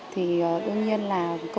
thì đương nhiên là